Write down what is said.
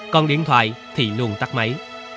còn điện thoại thì luôn tắt máy